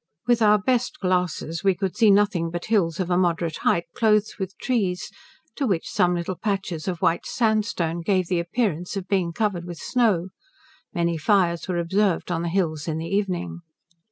With our best glasses we could see nothing but hills of a moderate height, cloathed with trees, to which some little patches of white sandstone gave the appearance of being covered with snow. Many fires were observed on the hills in the evening.